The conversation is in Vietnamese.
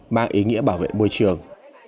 mang ý nghĩa bảo vệ môi trường